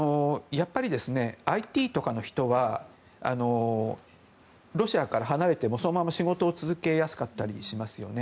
ＩＴとかの人はロシアから離れてもそのまま仕事を続けやすかったりしますよね。